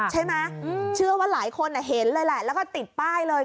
เชื่อว่าหลายคนเห็นเลยแหละแล้วก็ติดป้ายเลย